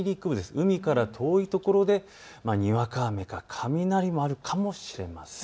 海から遠いところでにわか雨か雷もあるかもしれません。